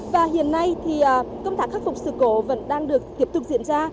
và hiện nay thì công tác khắc phục sự cố vẫn đang được tiếp tục diễn ra